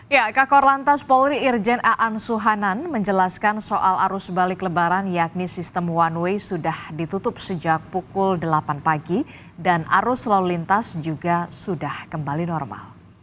ya kakor lantas polri irjen aan suhanan menjelaskan soal arus balik lebaran yakni sistem one way sudah ditutup sejak pukul delapan pagi dan arus lalu lintas juga sudah kembali normal